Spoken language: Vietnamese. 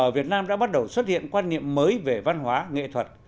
việt nam đã bắt đầu xuất hiện quan niệm mới về văn hóa nghệ thuật